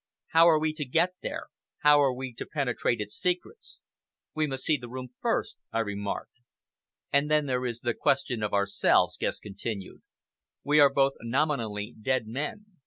How are we to get there? How are we to penetrate its secrets?" "We must see the room first," I remarked. "And then there is the question of ourselves," Guest continued. "We are both nominally dead men.